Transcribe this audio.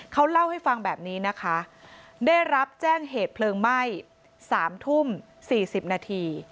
เขาเล่าให้ฟังแบบนี้นะคะได้รับแจ้งเหตุเพลิงไหม้๓ทุ่ม๔๐นาที